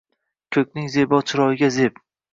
Koʼkning zebo chiroyiga zeb —